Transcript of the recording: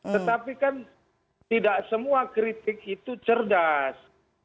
tetapi kan tidak semua kritik itu cerdas